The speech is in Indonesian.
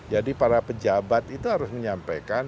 jadi para pejabat itu harus menyampaikan